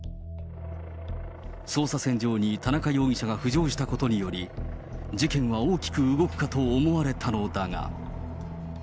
捜査線上に田中容疑者が浮上したことにより、事件は大きく動くかと思われたのだが。